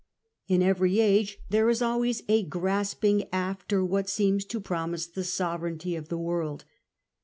In every age there is always a grasping after what seems to promise the sovereignty of the world.